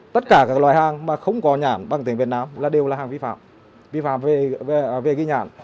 tất cả các loài hàng mà không có nhãn bằng tiếng việt nam là đều là hàng vi phạm vi phạm về ghi nhãn